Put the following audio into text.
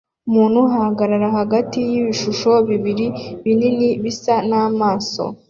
Umuntu ahagarara hagati yibishusho bibiri binini bisa namaso